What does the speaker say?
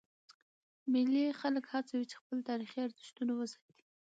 مېلې خلک هڅوي، چي خپل تاریخي ارزښتونه وساتي.